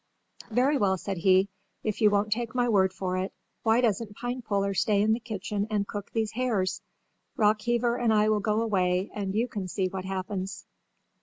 "Very well," said he, "if you won't take my word for it, why doesn't Pinepuller stay in the kitchen and cook these hares? Rockheaver and I will go away and you can see what happens."